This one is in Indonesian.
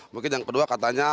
mungkin yang kedua katanya